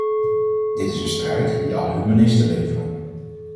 Dit is een strijd die alle humanisten leveren.